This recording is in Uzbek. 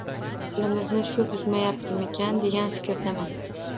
Tilimizni shu buzmayaptimikan, degan fikrdaman.